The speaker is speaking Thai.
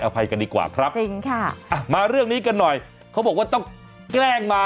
มันจะเป็นเรื่องราวใหญ่โตค่ะ